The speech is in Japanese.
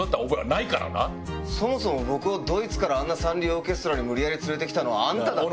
そもそも僕をドイツからあんな三流オーケストラに無理やり連れて来たのはあなた。